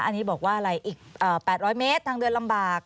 อันนี้บอกว่าอะไรอีก๘๐๐เมตรทางเดินลำบาก